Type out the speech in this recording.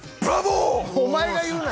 お前が言うな。